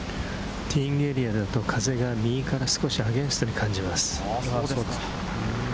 ティーイングエリアだと風が右から少しアゲンストに感じます。